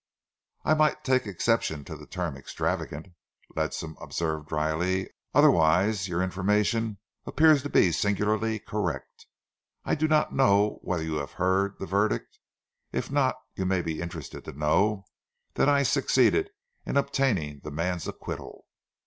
"I might take exception to the term 'extravagant'," Ledsam observed drily. "Otherwise, your information appears to be singularly correct. I do not know whether you have heard the verdict. If not, you may be interested to know that I succeeded in obtaining the man's acquittal."